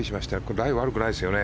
ライは悪くないですよね。